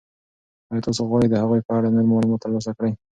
آیا تاسو غواړئ د هغوی په اړه نور معلومات ترلاسه کړئ؟